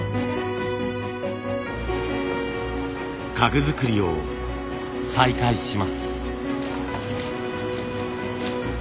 家具づくりを再開します。